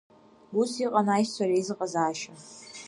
Ус иҟан аишьцәа реизыҟазаашьа.